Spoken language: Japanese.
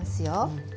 うん。